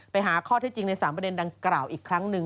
ไปหาข้อที่จริงใน๓ประเด็นดังกล่าวอีกครั้งหนึ่ง